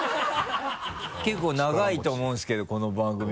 結構長いと思うんですけどこの番組も。